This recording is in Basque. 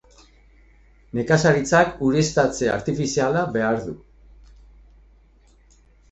Nekazaritzak ureztatze artifiziala behar du.